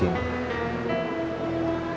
kita bangun lagi karir kamu